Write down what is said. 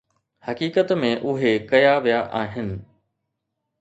حقيقت ۾ اهي ڪيا ويا آهن.